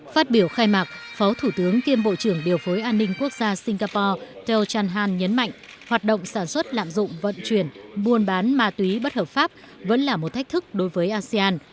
phát biểu khai mạc phó thủ tướng kiêm bộ trưởng điều phối an ninh quốc gia singapore tel chan han nhấn mạnh hoạt động sản xuất lạm dụng vận chuyển buôn bán ma túy bất hợp pháp vẫn là một thách thức đối với asean